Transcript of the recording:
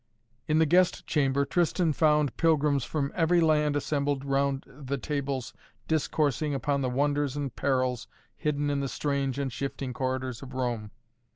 In the guest chamber Tristan found pilgrims from every land assembled round the tables discoursing upon the wonders and perils hidden in the strange and shifting corridors of Rome.